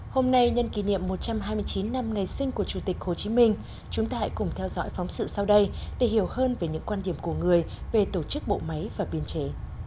hôm nay nhân kỷ niệm một trăm hai mươi chín năm ngày sinh của chủ tịch hồ chí minh chúng ta hãy cùng theo dõi phóng sự sau đây để hiểu hơn về những quan điểm của người về tổ chức bộ máy và biên chế